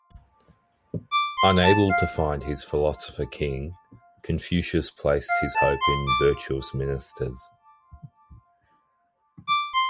Unable to find his philosopher king, Confucius placed his hope in virtuous ministers.